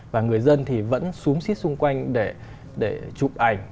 và người dân thì vẫn xuống xít xung quanh để chụp ảnh